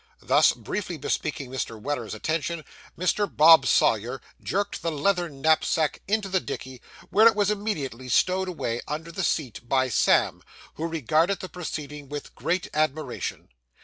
Thus briefly bespeaking Mr. Weller's attention, Mr. Bob Sawyer jerked the leathern knapsack into the dickey, where it was immediately stowed away, under the seat, by Sam, who regarded the proceeding with great admiration.